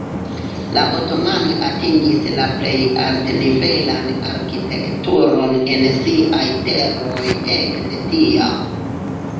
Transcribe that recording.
La otomanoj atingis la plej alt-nivelan arkitekturon en siaj teroj ekde tiam.